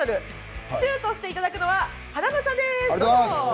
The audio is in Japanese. シュートしていただくのは華丸さんです。